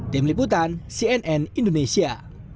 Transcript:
tim liputan cnn indonesia